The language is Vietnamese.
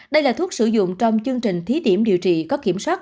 đây là thuốc sử dụng trong chương trình thí điểm điều trị có kiểm soát